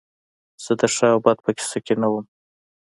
زه د ښه او بد په کیسه کې نه وم